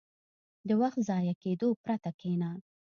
• د وخت د ضایع کېدو پرته کښېنه.